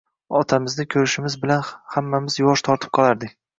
Otamizni ko‘rishimiz bilan hammamiz yuvosh tortib qolardik.